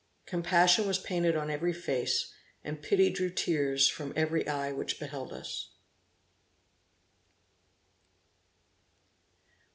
Compassion was painted on every face, and pity drew tears from every eye which beheld us.